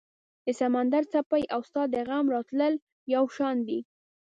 د سمندر څپې او ستا د غم راتلل یو شان دي